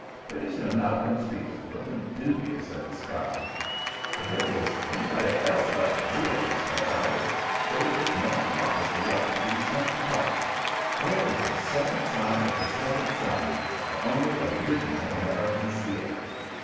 Pretty soon out comes Peter, looking dubious at the sky. "If it was anybody else but Beriah," he says, "I'd say this mornings prophecy ought to be sent to Puck. Where is the seventh son of the seventh son the only original American seer?"